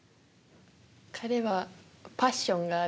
「パッションがある」